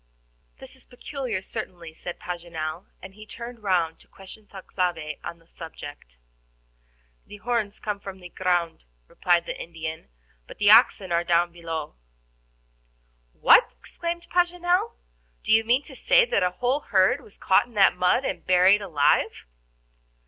"This is peculiar certainly," said Paganel, and he turned round to question Thalcave on the subject. "The horns come out of the ground," replied the Indian, "but the oxen are down below." "What!" exclaimed Paganel; "do you mean to say that a whole herd was caught in that mud and buried alive?"